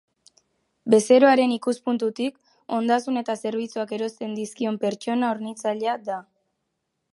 Bezeroaren ikuspuntutik, ondasun eta zerbitzuak erosten dizkion pertsona hornitzailea da.